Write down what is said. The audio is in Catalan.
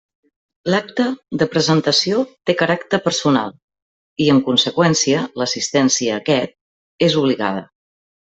L'acte de presentació té caràcter personal i, en conseqüència, l'assistència a aquest és obligada.